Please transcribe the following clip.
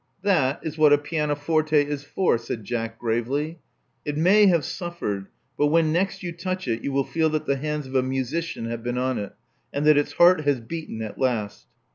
That is what a pianoforte is for," said Jack gravely. It may have suffered; but when next you touch it you will feel that the hands of a musician have been on it, and that its heart has beaten at last."